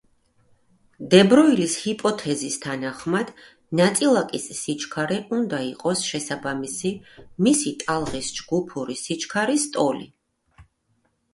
დე ბროილის ჰიპოთეზის თანახმად ნაწილაკის სიჩქარე უნდა იყოს შესაბამისი მისი ტალღის ჯგუფური სიჩქარის ტოლი.